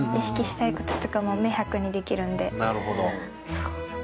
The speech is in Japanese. そう。